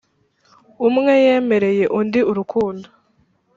umwe yemereye undi urukundo